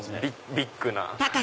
ビッグな。